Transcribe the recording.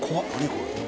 これ。